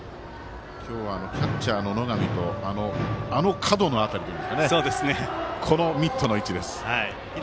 今日はキャッチャーの野上とあの角の辺りというか今の辺りです。